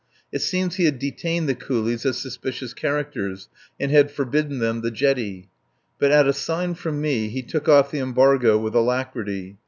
It seems he had detained the coolies as suspicious characters, and had forbidden them the jetty. But at a sign from me he took off the embargo with alacrity.